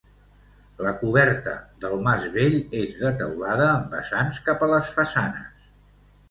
La coberta del mas vell, és de teulada amb vessants cap a les façanes.